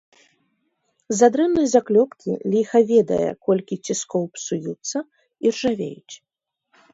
З-за дрэннай заклёпкі ліха ведае колькі ціскоў псуюцца, іржавеюць.